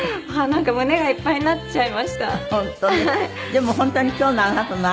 なんか胸がいっぱいになっちゃいました。